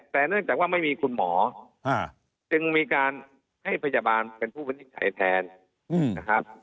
แต่เนื่องจากว่าไม่มีคุณหมอจึงมีการให้พยาบาลเป็นผู้วินิจฉัยแทนนะครับ